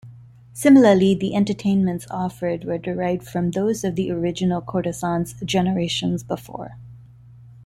Similarly, the entertainments offered were derived from those of the original courtesans generations before.